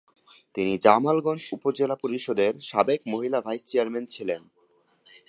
তিনি জামালগঞ্জ উপজেলা পরিষদের সাবেক মহিলা ভাইস চেয়ারম্যান ছিলেন।